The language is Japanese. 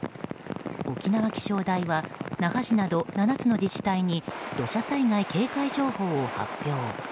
沖縄気象台は那覇市など７つの自治体に土砂災害警戒情報を発表。